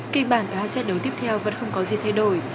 kinh bản của hai xét đấu tiếp theo vẫn không có gì thay đổi